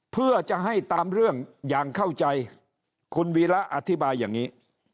เพื่อจะให้ตามเรื่องอย่างเข้าใจคุณวีระอธิบายอย่างนี้